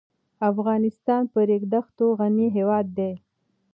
افغانستان په ریګ دښتو غني هېواد دی.